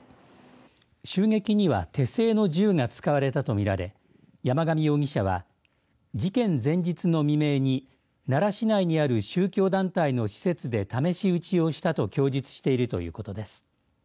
襲撃には手製の銃が使われたと見られ山上容疑者は事件前日の未明に奈良市内にある宗教団体の施設で試し撃ちをしたと供述しているということです。